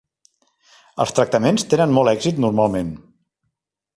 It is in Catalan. Els tractaments tenen molt èxit normalment.